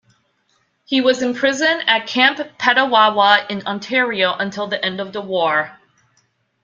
He was imprisoned at Camp Petawawa in Ontario until the end of the war.